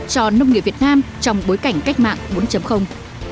cho nông nghiệp việt nam trong bối cảnh cách mạng bốn